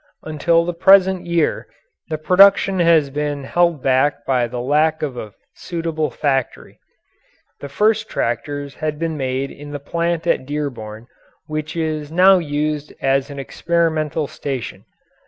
Until the present year, the production has been held back by the lack of a suitable factory. The first tractors had been made in the plant at Dearborn which is now used as an experimental station.